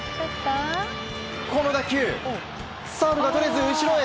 この打球サードがとれず、後ろへ。